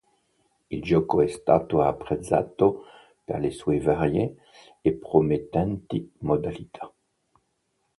Il gioco è stato apprezzato per le sue varie e promettenti modalità.